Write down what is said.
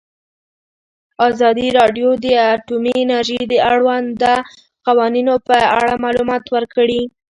ازادي راډیو د اټومي انرژي د اړونده قوانینو په اړه معلومات ورکړي.